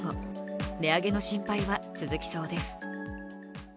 値上げの心配は続きそうです。